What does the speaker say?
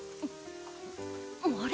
あれ？